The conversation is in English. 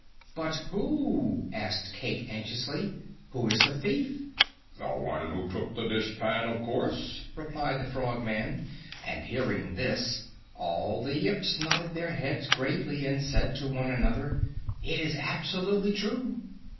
"But who?" asked Cayke anxiously. "Who is the thief?" "The one who took the dishpan, of course," replied the Frogman, and hearing this all the Yips nodded their heads gravely and said to one another, "It is absolutely true!"